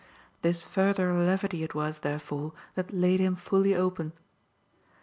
This further levity it was therefore that laid him fully open.